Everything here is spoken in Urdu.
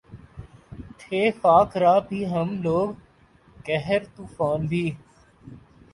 تھے خاک راہ بھی ہم لوگ قہر طوفاں بھی